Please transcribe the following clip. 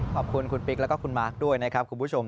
ขอบคุณคุณปิ๊กแล้วก็คุณมาร์คด้วยนะครับคุณผู้ชม